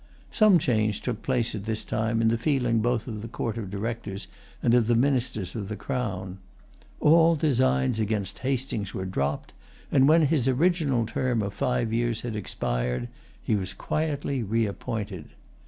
Some change took place at this time in the feeling both of the Court of Directors and of the Ministers of the Crown. All designs against Hastings were dropped; and, when his original term of five years expired, he was quietly reappointed.